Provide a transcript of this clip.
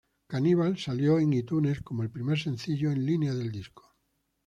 Cannibal salió en iTunes como el primer sencillo en línea del disco.